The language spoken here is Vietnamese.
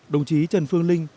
đồng chí trần phương linh